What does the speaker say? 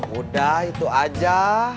udah itu aja